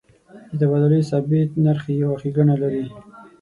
د تبادلې ثابت نرخ یو ښیګڼه لري.